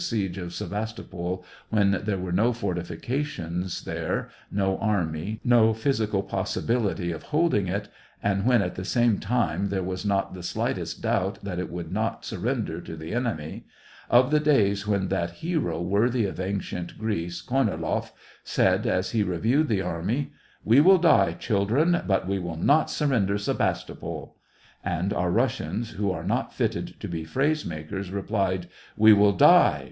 siege of Sevastopol, when there were no fortifica tions there, no army, no physical possibility of holding it, and when at the same time there was not the slightest doubt that it would not surren der to the enemy, — of the days when that hero worthy of ancient Greece, Korniloff, said, as he reviewed the army: "We will die, children, but we will not surrender Sevastopol ;" and our Rus sians, who are not fitted to be phrase makers, re plied :" We will die